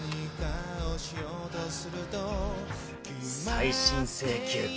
再審請求か。